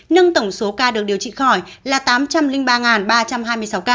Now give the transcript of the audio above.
nâng tổng số ca được điều trị khỏi là tám trăm linh ba ba trăm hai mươi sáu ca